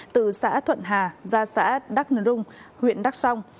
từ xã thuận hà ra xã đắk nung huyện đắk song